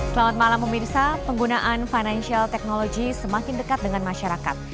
selamat malam pemirsa penggunaan financial technology semakin dekat dengan masyarakat